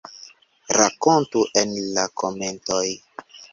Rakontu en la komentoj!